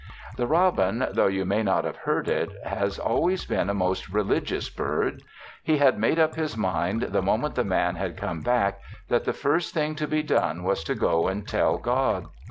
The robin, though you may not have heard it, has always been a most religious bird. He had made up his mind, the moment the Man had come back, that the first thing to be done was to go and tell God.